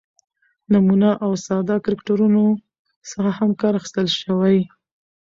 ،نمونه او ساده کرکترونو څخه هم کار اخستل شوى